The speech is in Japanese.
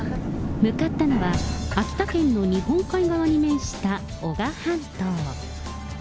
向かったのは、秋田県の日本海側に面した男鹿半島。